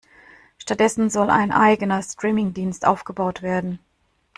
Stattdessen soll ein eigener Streaming-Dienst aufgebaut werden.